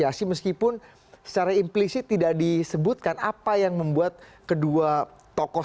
meskipun secara implisit tidak disebutkan apa yang membuat kedua tokoh